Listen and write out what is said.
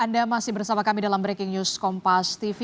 anda masih bersama kami dalam breaking news kompas tv